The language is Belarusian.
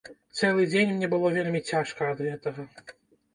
Цэлы дзень мне было вельмі цяжка ад гэтага.